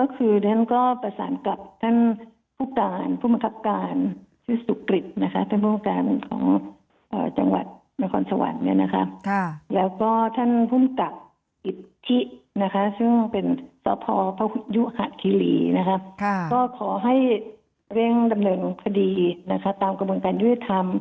ซึ่งถ้าบอกว่าทำประกันสังคมได้เนี่ยเอ่อ